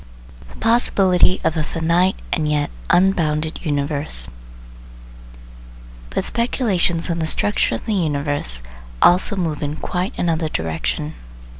THE POSSIBILITY OF A "FINITE" AND YET "UNBOUNDED" UNIVERSE But speculations on the structure of the universe also move in quite another direction.